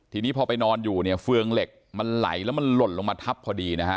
ทีนี้พอไปนอนอยู่เนี่ยเฟืองเหล็กมันไหลแล้วมันหล่นลงมาทับพอดีนะฮะ